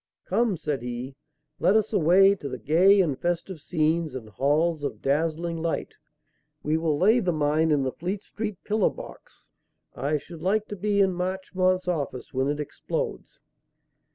"Come," said he, "let us away to 'the gay and festive scenes and halls of dazzling light.' We will lay the mine in the Fleet Street pillar box. I should like to be in Marchmont's office when it explodes."